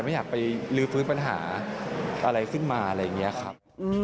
ไม่อยากไปลื้อฟื้นปัญหาอะไรขึ้นมาอะไรอย่างนี้ครับ